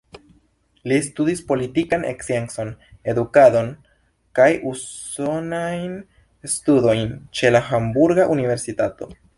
Li studis politikan sciencon, edukadon kaj usonajn studojn ĉe la Hamburga universitato.